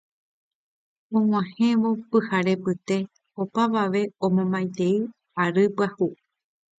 og̃uahẽvo pyharepyte opavave omomaitei ary pyahu